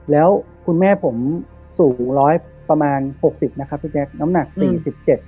แล้วคุณแม่ผมสูงร้อยประมาณหกสิบนะครับพี่แจ๊คน้ำหนักสี่สิบเจ็ด